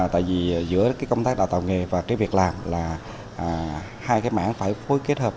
tại vì giữa cái công tác đào tạo nghề và cái việc làm là hai cái mảng phải phối kết hợp